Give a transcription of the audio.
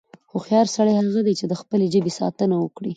هوښیار سړی هغه دی، چې د خپلې ژبې ساتنه وکړي.